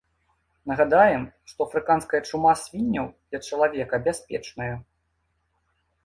Нагадаем, што афрыканская чума свінняў для чалавека бяспечная.